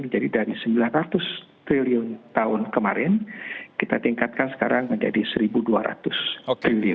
jadi dari rp sembilan ratus triliun tahun kemarin kita tingkatkan sekarang menjadi rp satu dua ratus triliun